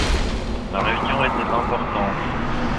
La réunion était importante.